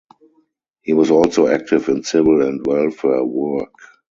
He was also active in civil and welfare work.